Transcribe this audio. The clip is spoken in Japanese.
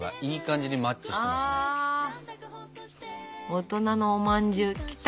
大人のおまんじゅう来た。